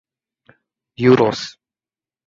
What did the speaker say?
euros